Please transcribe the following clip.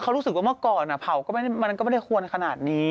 เขารู้สึกว่าเมื่อก่อนเผาก็มันก็ไม่ได้ควรขนาดนี้